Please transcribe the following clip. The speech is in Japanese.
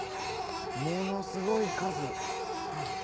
ものすごい数。